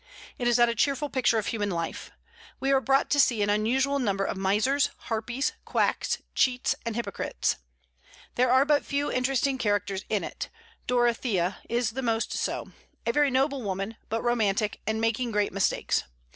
It is not a cheerful picture of human life. We are brought to see an unusual number of misers, harpies, quacks, cheats, and hypocrites. There are but few interesting characters in it: Dorothea is the most so, a very noble woman, but romantic, and making great mistakes.